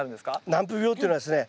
軟腐病っていうのはですね